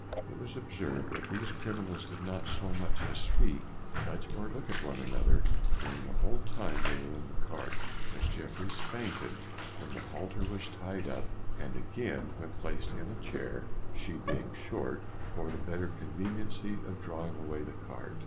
It was observed that these criminals did not so much as speak, touch, or look at one another, during the whole time they were in the cart. Miss Jeffryes fainted when the halter was tied up; and again when placed on a chair (she being short) for the better conveniency of drawing away the cart.